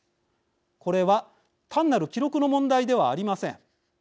これは単なる記録の問題ではありません。